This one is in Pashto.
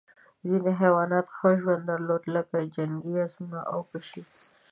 ځینې حیوانات ښه ژوند درلود لکه جنګي اسونه او پشۍ.